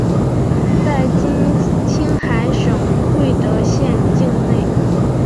在今青海省贵德县境内。